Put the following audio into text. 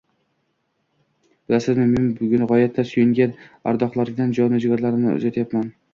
Bilasizmi, men bugun g`oyatda suygan, ardoqlagan jonu jigarimni uzatyapman